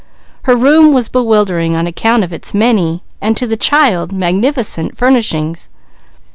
Her room was bewildering on account of its many, and to the child, magnificent furnishings.